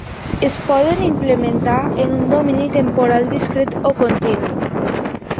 Es poden implementar en un domini temporal discret o continu.